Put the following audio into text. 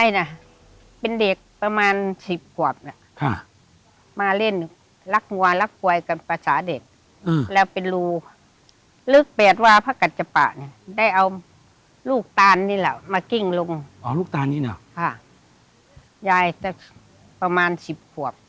เหนือประมาณสิบกบ